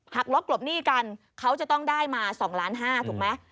ลบกลบหนี้กันเขาจะต้องได้มา๒ล้านห้าถูกไหม